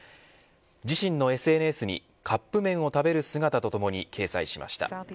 自身のＳＮＳにカップ麺を食べる姿とともに掲載しました。